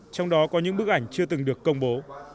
trong đó có những bức ảnh chưa từng được công bố